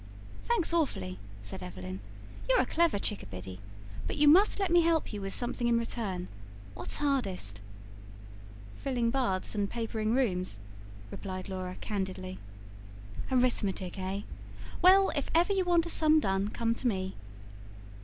"Thanks awfully," said Evelyn. "You're a clever chickabiddy. But you must let me help you with something in return. What's hardest?" "Filling baths and papering rooms," replied Laura candidly. "Arithmetic, eh? Well, if ever you want a sum done, come to me."